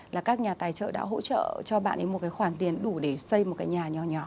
là các nhà tài trợ đã hỗ trợ cho bạn một cái khoản tiền đủ để xây một cái nhà nhỏ nhỏ